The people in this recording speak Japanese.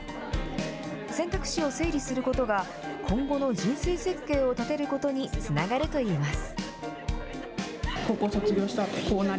選択肢を整理することが、今後の人生設計を立てることにつながるといいます。